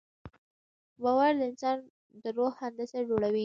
باور د انسان د روح هندسه جوړوي.